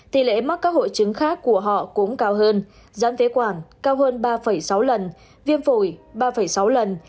tỷ lệ mắc các hội chứng khác của họ cũng cao hơn gián phế quản cao hơn ba sáu lần viêm phổi ba sáu lần